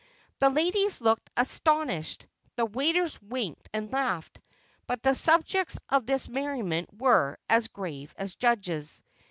The ladies looked astonished, the waiters winked and laughed, but the subjects of this merriment were as grave as judges.